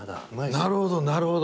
なるほどなるほど。